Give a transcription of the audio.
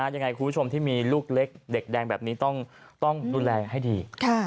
ยังไงคุณผู้ชมที่มีลูกเล็กเด็กแดงแบบนี้ต้องดูแลให้ดี